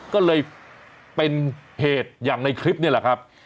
ก็เลยเป็นเหตุอย่างในคลิปนี่แหละครับ